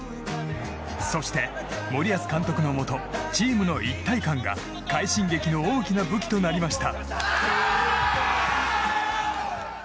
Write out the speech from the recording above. そして、森保監督のもとチームの一体感が快進撃の大きな武器となりました。